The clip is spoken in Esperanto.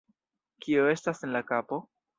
Kio estas en la kapo?